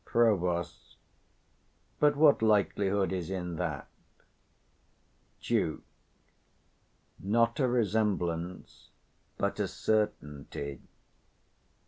Prov. But what likelihood is in that? Duke. Not a resemblance, but a certainty.